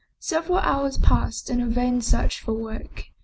Several hours passed in a vain search for work.